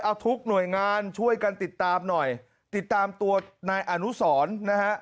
เอาทุกหน่วยงานช่วยกันติดตามหน่อยติดตามตัวนายอนุสรนะฮะ